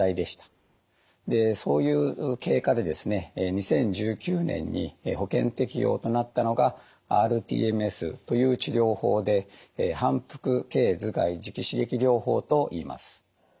でそういう経過で２０１９年に保険適用となったのがｒＴＭＳという治療法で反復経頭蓋磁気刺激療法といいます。